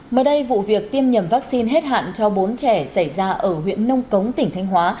mới đây vụ việc tiêm nhầm vaccine hết hạn cho bốn trẻ xảy ra ở huyện nông cống tỉnh thanh hóa